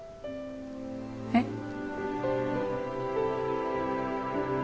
えっ？